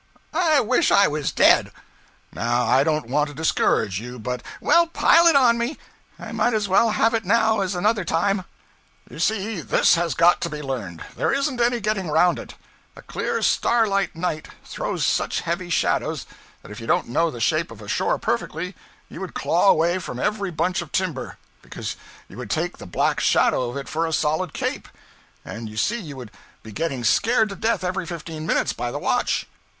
'I wish I was dead!' 'Now I don't want to discourage you, but ' 'Well, pile it on me; I might as well have it now as another time.' 'You see, this has got to be learned; there isn't any getting around it. A clear starlight night throws such heavy shadows that if you didn't know the shape of a shore perfectly you would claw away from every bunch of timber, because you would take the black shadow of it for a solid cape; and you see you would be getting scared to death every fifteen minutes by the watch.